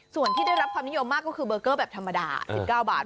ส่วนที่ได้รับความนิยมมากก็คือเบอร์เกอร์แบบธรรมดา๑๙บาท